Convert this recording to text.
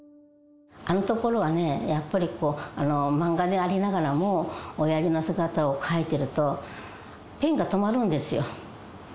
あのところはね、やっぱり漫画でありながらも、親父の姿を描いてるとペンが止まるんですよ。